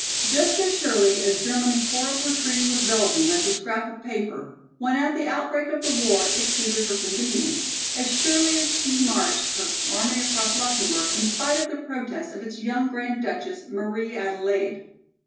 Just as surely as Germany tore up her treaty with Belgium as a "scrap of paper," when at the outbreak of the war it suited her convenience, as surely had she marched her army across Luxemburg in spite of the protest of its young Grand Duchess Marie Adelaide.